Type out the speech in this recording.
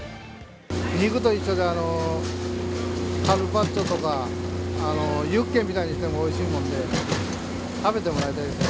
肉と一緒で、カルパッチョとか、ユッケみたいにしてもおいしいもんで、食べてもらいたいですね。